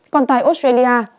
còn tại australia